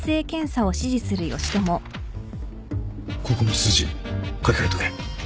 ここの数字書き換えておけ